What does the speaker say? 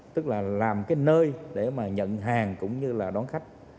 tức là làm cái nơi để mà nhận hàng cũng như là đón khách